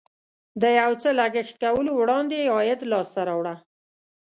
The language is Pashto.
د یو څه لګښت کولو وړاندې عاید لاسته راوړه.